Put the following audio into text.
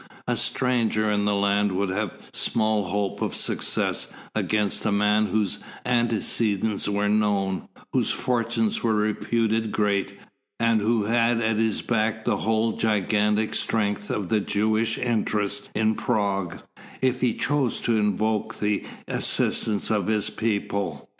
A stranger in the land would have small hope of success against a man whose antecedents were known, whose fortune was reputed great, and who had at his back the whole gigantic strength of the Jewish interest in Prague, if he chose to invoke the assistance of his people.